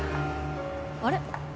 あれ？